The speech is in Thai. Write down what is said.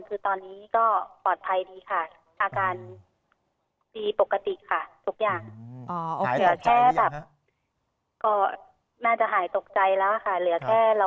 คือตอนนี้ก็ปลอดภัยดีค่ะ